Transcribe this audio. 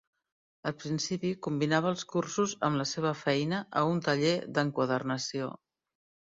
Al principi combinava els cursos amb la seva feina a un taller d’enquadernació.